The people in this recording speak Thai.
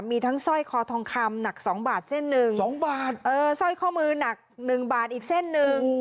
มีทั้งสร้อยคอทองคำหนักสองบาทเส้นหนึ่งสองบาทเออสร้อยข้อมือหนักหนึ่งบาทอีกเส้นหนึ่ง